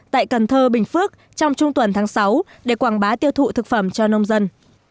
tại cần thơ bình phước trong trung tuần tháng sáu để quảng bá tiêu thụ thực phẩm cho nông dân